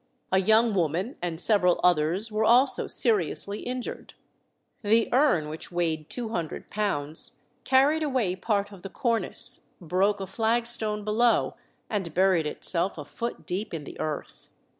A young woman and several others were also seriously injured. The urn, which weighed two hundred pounds, carried away part of the cornice, broke a flag stone below, and buried itself a foot deep in the earth.